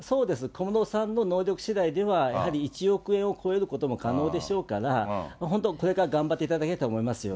小室さんの能力しだいではやはり１億円を超えることも可能でしょうから、本当、これから頑張っていただけると思いますよね。